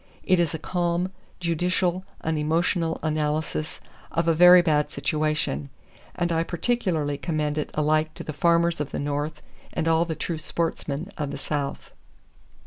It is a calm, judicial, unemotional analysis of a very bad situation: and I particularly commend it alike to the farmers of the North and all the true sportsmen of the South.